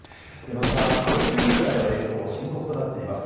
また交通インフラへの影響も深刻となっています。